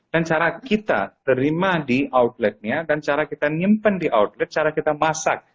dan cara kita terima di outlet nya dan cara kita nyimpen di outlet cara kita masak